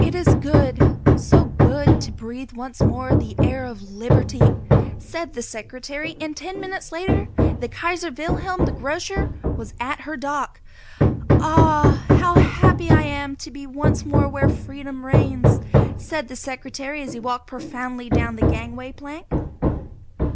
"It is good, so good to breathe once more the air of Liberty!" said the Secretary, and ten minutes later the "Kaiser Wilhelm, the Grocer" was at her dock. "Ah! how happy I am to be once more where Freedom reigns!" said the Secretary as he walked proudly down the gangway plank.